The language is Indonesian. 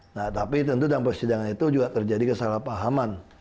nah tapi tentu dalam persidangan itu juga terjadi kesalahpahaman